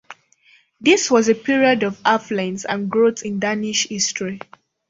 This was a period of affluence and growth in Danish history.